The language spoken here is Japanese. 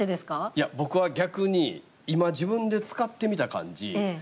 いや、僕は逆に今、自分で使ってみた感じ